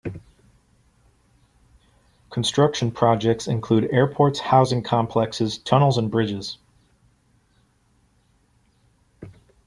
Construction projects include airports, housing complexes, tunnels, and bridges.